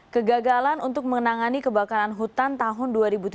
kegagalan untuk menangani kebakaran hutan tahun dua ribu tujuh belas